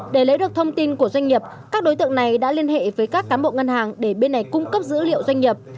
để lấy được thông tin của doanh nghiệp các đối tượng này đã liên hệ với các cán bộ ngân hàng để bên này cung cấp dữ liệu doanh nghiệp